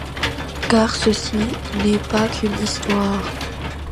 Car ceci n'est pas qu'une histoire.